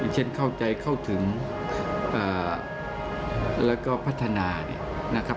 เช่นเข้าใจเข้าถึงแล้วก็พัฒนา